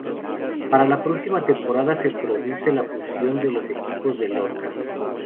Para la próxima temporada se produce la fusión de los equipos de Lorca.